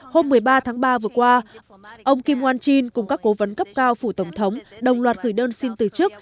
hôm một mươi ba tháng ba vừa qua ông kim on chin cùng các cố vấn cấp cao phủ tổng thống đồng loạt gửi đơn xin từ chức